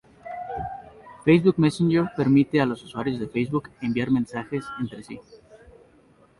Facebook Messenger permite a los usuarios de Facebook enviar mensajes entre sí.